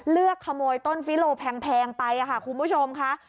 เลือกขโมยต้นฟิโลแพงไปค่ะคุณผู้ชมค่ะ